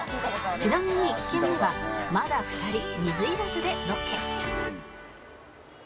ちなみに１軒目はまだ２人水入らずでロケ